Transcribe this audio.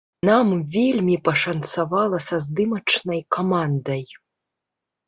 Нам вельмі пашанцавала са здымачнай камандай.